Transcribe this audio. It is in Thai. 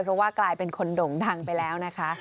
เพราะว่ากลายเป็นคนโด่งดังไปแล้วนะคะ